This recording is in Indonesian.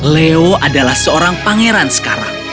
leo adalah seorang pangeran sekarang